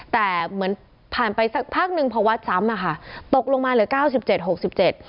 แต่เหมือนผ่านไปสักพักหนึ่งพอวัดซ้ำอ่ะค่ะตกลงมาเหลือเก้าสิบเจ็ดหกสิบเจ็ด